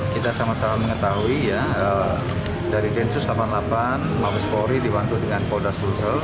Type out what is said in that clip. kita sama sama mengetahui ya dari densus delapan puluh delapan mabes polri dibantu dengan polda sulsel